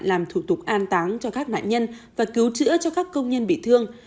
làm thủ tục an táng cho các nạn nhân và cứu chữa cho các công nhân bị thương